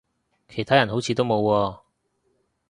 其他人好似都冇喎